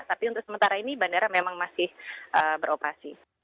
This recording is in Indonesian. tapi untuk sementara ini bandara memang masih beroperasi